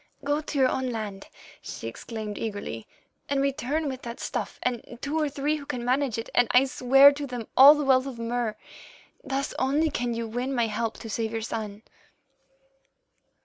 "'Go to your own land,' she exclaimed eagerly, 'and return with that stuff and two or three who can manage it, and I swear to them all the wealth of Mur. Thus only can you win my help to save your son.